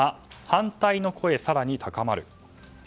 反対の声、更に高まる。